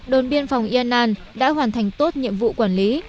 đồn biên phòng yên an đã hoàn thành tốt nhiệm vụ quản lý